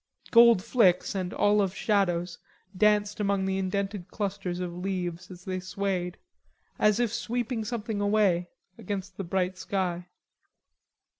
Gold flicks and olive shadows danced among the indented clusters of leaves as they swayed, as if sweeping something away, against the bright sky.